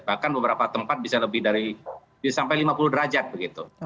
bahkan beberapa tempat bisa lebih dari lima puluh derajat